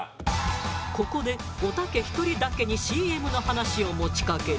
ここでおたけ１人だけにＣＭの話を持ちかける。